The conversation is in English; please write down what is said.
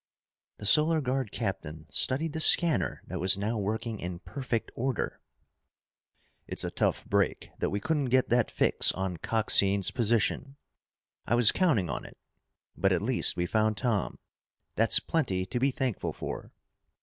The Solar Guard captain studied the scanner that was now working in perfect order. "It's a tough break that we couldn't get that fix on Coxine's position. I was counting on it. But at least we found Tom. That's plenty to be thankful for."